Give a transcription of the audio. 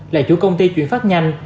là chủ công ty chuyển phát nhanh